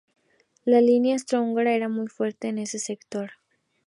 La línea austrohúngara era muy fuerte en ese sector.